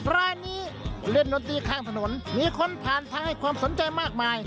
ร้านนี้เล่นดนตรีข้างถนนมีคนผ่านทางให้ความสนใจมากมาย